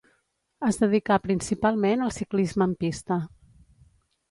Es dedicà principalment al ciclisme en pista.